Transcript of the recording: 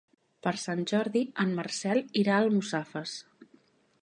Per Sant Jordi en Marcel irà a Almussafes.